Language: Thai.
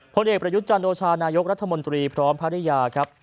ผลเอกประยุทธ์จันโอชานายกรัฐมนตรีพร้อมภรรยาครับ